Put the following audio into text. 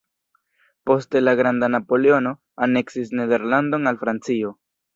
Poste la "granda" Napoleono aneksis Nederlandon al Francio.